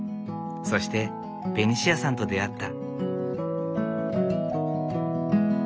そしてベニシアさんと出会った。